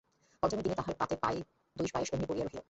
পঞ্চমীর দিনে তাঁহার পাতে দই পায়স অমনি পড়িয়া রহিল।